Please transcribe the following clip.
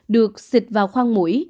được xịn vào khoang mũi